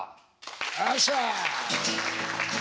おっしゃ。